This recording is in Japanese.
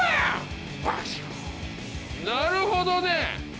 なるほどね。